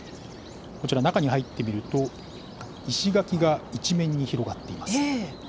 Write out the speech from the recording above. こちら中に入ってみると石垣が一面に広がっています。